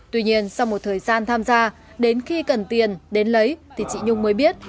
tuy nhiên sau một thời gian tham gia đến khi cần tiền đến lấy thì chị nhung mới biết